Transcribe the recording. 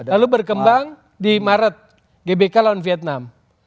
lalu berkembang di maret gbk lawan vietnam